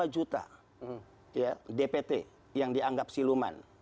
tiga puluh lima juta dpt yang dianggap siluman